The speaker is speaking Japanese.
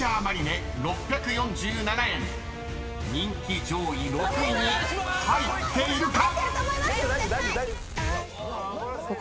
［人気上位６位に入っているか⁉］